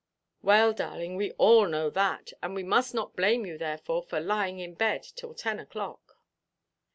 "Well, darling, we know all that. And we must not blame you therefore for lying in bed till ten oʼclock."